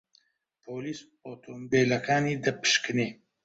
پۆلیس ئۆتۆمۆبیلەکانی دەپشکنی.